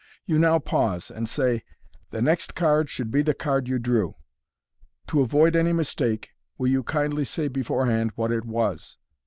You now pause, and say, u The next card should be the card you drew. To avoid any mistake, will you kindly say beforehand what it was?"